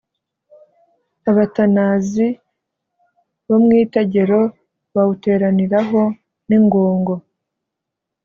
Abatanazi bo mu Itegero bawuteraniraho n'ingongo,